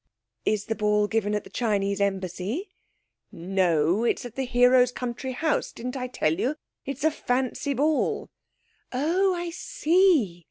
'Is the ball given at the Chinese Embassy?' 'No; at the hero's country house. Didn't I tell you it's a fancy ball!' 'Oh, I see!